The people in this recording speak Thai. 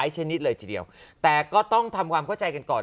จะได้ไม่ฟุ้งซ่าน